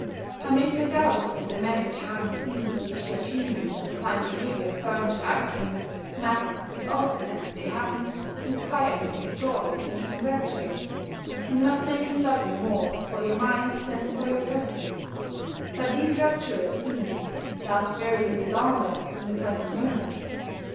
I make no doubt, that the many charming scenes which your genius and fine behaviour furnish out to him, must, as often as they happen, inspire him with joy, and even rapture: and must make him love you more for your mind than for your person: but these rapturous scenes last very little longer than the present moment.